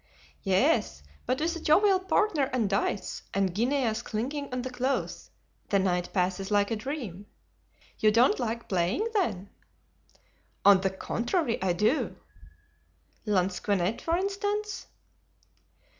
"Yes, but with a jovial partner and dice, and guineas clinking on the cloth, the night passes like a dream. You don't like playing, then?" "On the contrary, I do." "Lansquenet, for instance?"